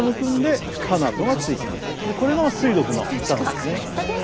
これが水毒の舌なんですね。